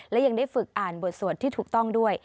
และยังได้ฝึกอ่านบทสวดที่ถูกต้องด้วย